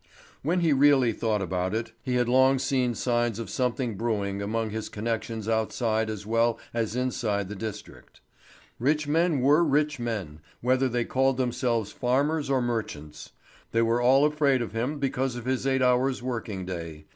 When he really thought about it, he had long seen signs of something brewing among his connections outside as well as inside the district. Rich men were rich men, whether they called themselves farmers or merchants. They were all afraid of him because of his eight hours' working day.